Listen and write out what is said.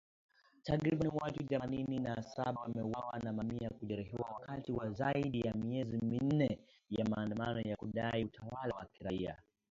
Takribani watu thamanini na saba wameuawa na mamia kujeruhiwa wakati wa zaidi ya miezi minne ya maandamano ya kudai utawala wa kiraia